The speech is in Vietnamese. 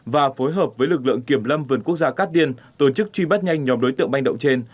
và phối hợp với lực lượng kiểm lâm vườn quốc gia cát tiên tổ chức truy bắt nhanh nhóm đối tượng manh động trên